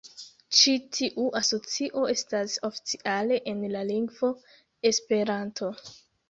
Ĉi-tiu asocio estas oficiale en la lingvo "Esperanto".